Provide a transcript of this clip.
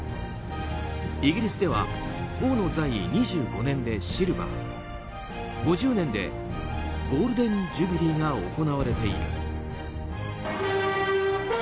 イギリスでは王の在位２５年でシルバー５０年でゴールデン・ジュビリーが行われている。